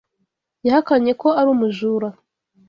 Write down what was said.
Yahakanye ko ari umujura.